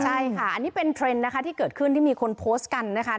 ใช่ค่ะอันนี้เป็นเทรนด์นะคะที่เกิดขึ้นที่มีคนโพสต์กันนะคะ